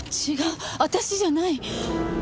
違う私じゃない！